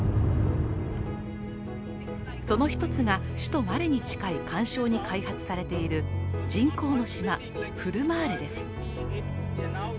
その一つが、首都マレに近い環礁に開発されている人工の島・フルマーレです。